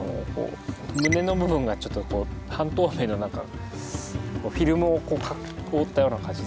胸の部分がちょっと半透明のなんかフィルムを覆ったような感じですね。